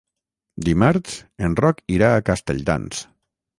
Dimarts en Roc irà a Castelldans.